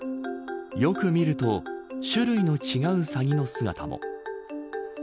よく見ると種類の違うサギの姿も。